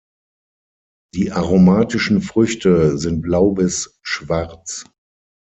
Die aromatischen Früchte sind blau bis schwarz.